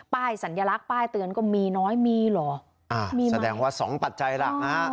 สัญลักษณ์ป้ายเตือนก็มีน้อยมีเหรออ่ามีแสดงว่าสองปัจจัยหลักนะฮะ